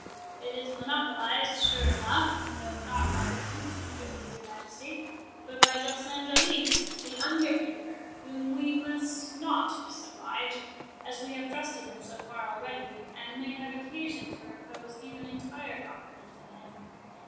"It is monopolized, sure enough, though not by me, if it please your Majesty, but by Joceline Joliffe, the under keeper, whom we must not disoblige, as we have trusted him so far already, and may have occasion to repose even entire confidence in him.